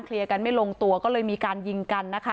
เคลียร์กันไม่ลงตัวก็เลยมีการยิงกัน